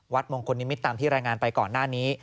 มงคลนิมิตรตามที่รายงานไปก่อนหน้านี้